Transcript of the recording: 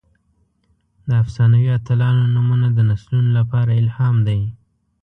د افسانوي اتلانو نومونه د نسلونو لپاره الهام دي.